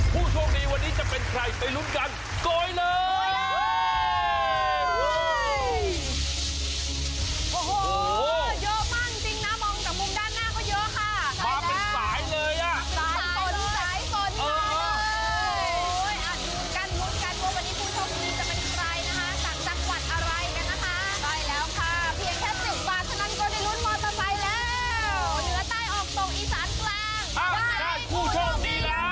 ผู้ชมดีวันนี้จะเป็นใครครับ